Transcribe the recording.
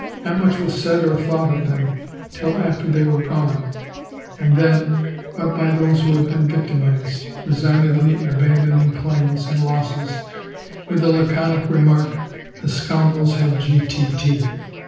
Not much was said or thought of them, till after they were gone; and then but by those who had been victimised, resignedly abandoning claims and losses with the laconic remark, "The scoundrels have G.T.T."